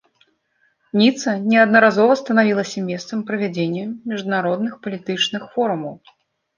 Ніца неаднаразова станавілася месцам правядзення міжнародных палітычных форумаў.